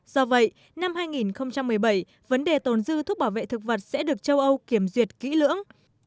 do vậy năm hai nghìn một mươi bảy vấn đề tồn dư thuốc bảo vệ thực vật sẽ được châu âu kiểm duyệt kỹ lưỡng